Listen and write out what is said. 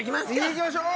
いきましょう！